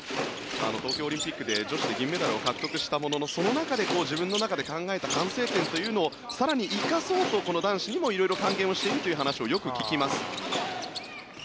東京オリンピックで女子で銀メダルを獲得したもののその中で自分の中で考えた反省点というのを更に生かそうとこの男子にも色々還元しているという話をよく聞きます。